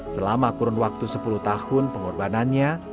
selama kurun waktu sepuluh tahun pengorbanannya